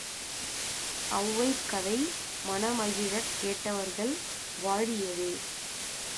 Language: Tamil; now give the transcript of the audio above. ஒளவைகதை மனமகிழக் கேட்டவர்கள் வாழியவே!